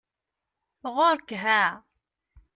Ɣuṛ-k ha!